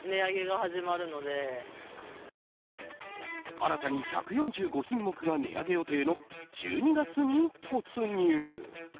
新たに１４５品目が値上げ予定の１２月に突入。